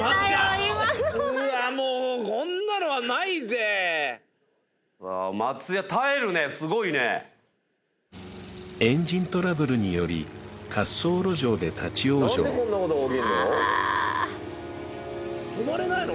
今のはうわっもうこんなのはないぜすごいねエンジントラブルにより滑走路上で立ち往生止まれないの？